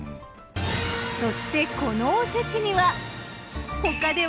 そしてこのおせちには。